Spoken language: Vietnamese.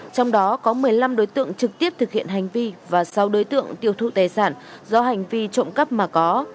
trong đó có một mươi năm đối tượng trực tiếp thực hiện hành vi và sáu đối tượng tiêu thụ tài sản do hành vi trộm cắp mà có